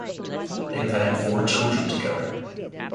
They have had four children together.